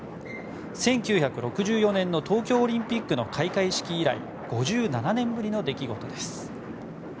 １９６４年の東京オリンピックの開会式以来５７年ぶりの出来事です。